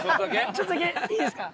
ちょっとだけいいですか？